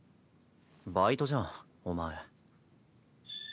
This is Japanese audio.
バイトじゃんお前。